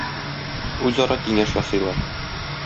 Үзара киңәш ясыйлар.